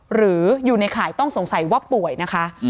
หรืออยู่ในข่ายต้องสงสัยว่าป่วยนะคะ